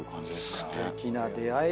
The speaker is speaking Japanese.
すてきな出会いですね